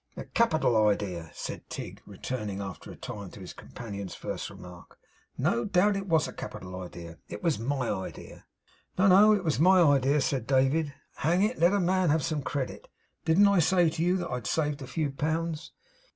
'A capital idea?' said Tigg, returning after a time to his companion's first remark; 'no doubt it was a capital idea. It was my idea.' 'No, no. It was my idea,' said David. 'Hang it, let a man have some credit. Didn't I say to you that I'd saved a few pounds?